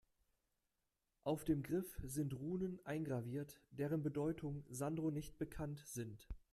Auf dem Griff sind Runen eingraviert, deren Bedeutung Sandro nicht bekannt sind.